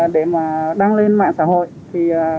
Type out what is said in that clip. để mà đăng lên mạng xã hội